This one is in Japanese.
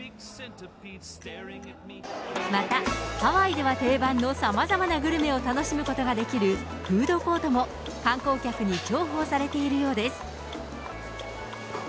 またハワイでは定番のさまざまなグルメを楽しむことができるフードコートも、観光客に重宝されているようです。